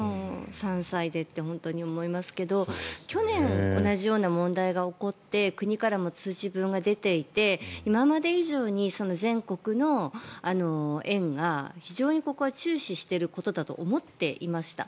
３歳でって本当に思いますけど去年、同じような問題が起こって国からも通知文が出ていて今まで以上に全国の園が非常にここは注視していることだと思っていました。